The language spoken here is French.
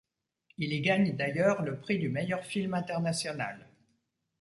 Il y gagne d’ailleurs le prix du meilleur film international.